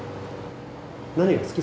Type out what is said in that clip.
何が好き？